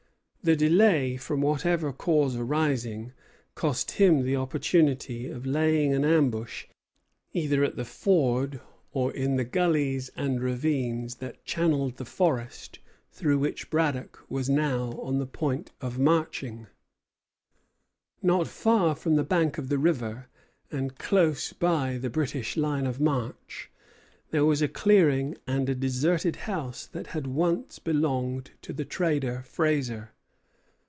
The delay, from whatever cause arising, cost him the opportunity of laying an ambush either at the ford or in the gullies and ravines that channelled the forest through which Braddock was now on the point of marching. Relation de Godefroy, in Shea, Bataille du Malangueulé. Not far from the bank of the river, and close by the British line of march, there was a clearing and a deserted house that had once belonged to the trader Fraser.